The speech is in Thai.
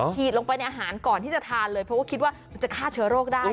ฉีดลงไปในอาหารก่อนที่จะทานเลยเพราะว่าคิดว่ามันจะฆ่าเชื้อโรคได้